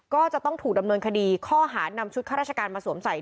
ก็จะต้องถูกดำเนินคดีข้อหานำชุดข้าราชการมาสวมใส่